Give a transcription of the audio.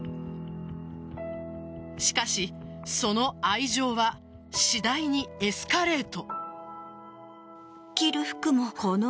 しかしその愛情は次第にエスカレート。